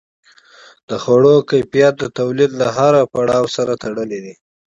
د خوړو کیفیت د تولید له هر پړاو سره تړلی دی.